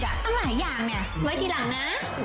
ต้องหาอย่างนี่ไว้ทีหลังนะ